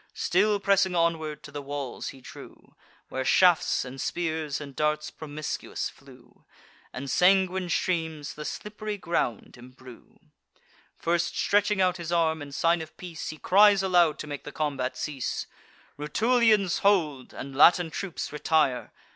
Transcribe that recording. Still pressing onward, to the walls he drew, Where shafts, and spears, and darts promiscuous flew, And sanguine streams the slipp'ry ground embrue. First stretching out his arm, in sign of peace, He cries aloud, to make the combat cease: "Rutulians, hold; and Latin troops, retire!